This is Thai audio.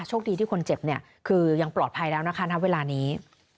โชคดีที่คนเจ็บเนี่ยคือยังปลอดภัยแล้วนะคะณเวลานี้